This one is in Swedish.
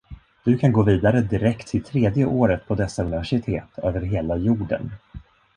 Du kan gå vidare direkt till tredje året på dessa universitet över hela jorden.